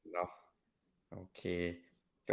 แล้ว